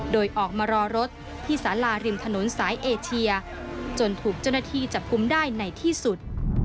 โดยออกมารอรถที่สาราริมถนนสายเอเชียจนถูกเจ้าหน้าที่จับกุมได้ในที่สุด